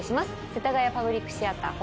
世田谷パブリックシアター他